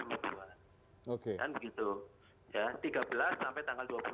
ya tiga belas sampai tanggal dua puluh dua